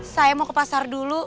saya mau ke pasar dulu